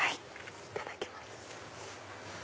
いただきます。